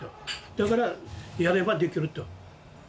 だからやればできると。